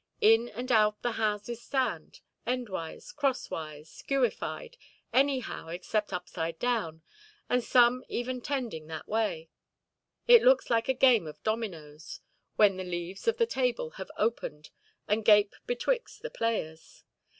In and out the houses stand, endwise, crossways, skewified, anyhow except upside down, and some even tending that way. It looks like a game of dominoes, when the leaves of the table have opened and gape betwixt the players.